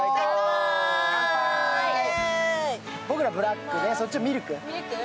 僕らはブラックで、そっちはミルク。